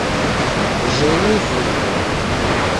Jhenyi vindo!